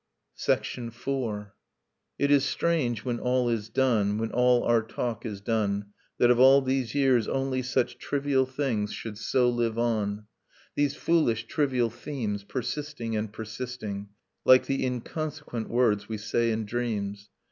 Nocturne of Remembered Spring IV. It is strange, when all is done, when all our talk is done, That of all these years only such trivial things Should so live on... these foolish trivial themes, Persisting and persisting, Like the inconsequent words we say in dreams.